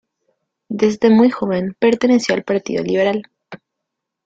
Desde muy joven perteneció al Partido Liberal.